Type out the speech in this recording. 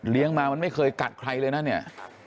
มามันไม่เคยกัดใครเลยนะเนี่ย